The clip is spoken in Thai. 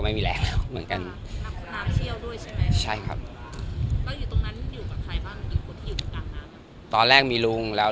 นะใช่ครับ